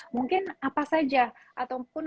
mungkin apa saja ataupun